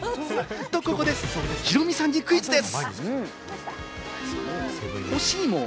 と、ここでヒロミさんにクイズです。